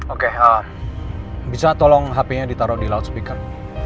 oke bisa tolong hp nya ditaruh di loudspeaker